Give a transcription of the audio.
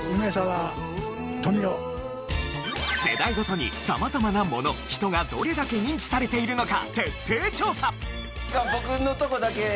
世代ごとに様々なもの人がどれだけ認知されているのか徹底調査。